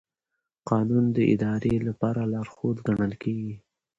قانون د ادارې لپاره لارښود ګڼل کېږي.